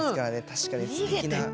確かにすてきな。